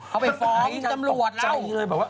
เอาไปฟ้อมจำโรจแล้ว